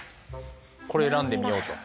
これ選んでみようと。